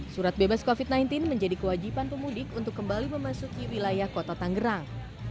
surat bebas covid sembilan belas menjadi kewajiban pemudik untuk kembali memasuki wilayah kota tangerang